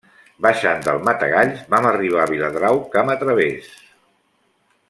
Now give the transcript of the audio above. Baixant del Matagalls vam arribar Viladrau camp a través.